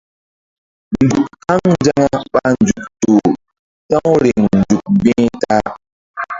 Nzuk haŋ nzaŋa ɓa nzuk zoh ta̧w riŋ nzuk mgbi̧h ta-a.